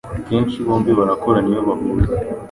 kenshi bombi barakorana iyo bahuye